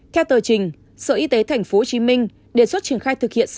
theo tờ trình sở y tế tp hcm đề xuất triển khai thực hiện